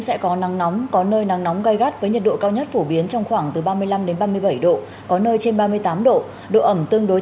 xin chào và hẹn gặp lại